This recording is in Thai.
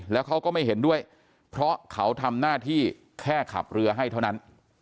แล้วเขาก็ไม่เห็นด้วยเพราะเขาทำหน้าที่แค่ขับเรือให้เท่านั้น